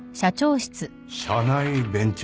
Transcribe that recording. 社内ベンチャー？